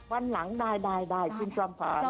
วันหลังได้ติดตามค่ะ